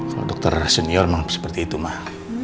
kalau dokter senior memang seperti itu mah